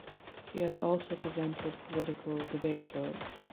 She has also presented political debate shows.